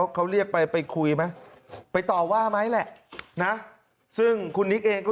เขาเรียกไปไปคุยไหมไปต่อว่าไหมแหละนะซึ่งคุณนิกเองก็